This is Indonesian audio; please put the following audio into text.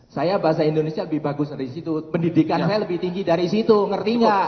saya bahasa indonesia lebih bagus dari situ pendidikan saya lebih tinggi dari situ ngertinya